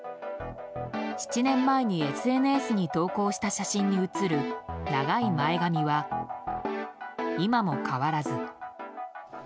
７年前にＳＮＳに投稿した写真に写る長い前髪は今も変わらず。